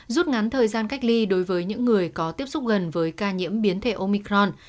rút ngắn thời gian cách ly đối với những người có tiếp xúc gần với ca nhiễm biến thể omicron